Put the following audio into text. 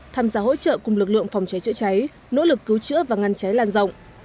tham gia hỗ trợ cùng lực lượng phòng cháy chữa cháy nỗ lực cứu chữa và ngăn cháy lan rộng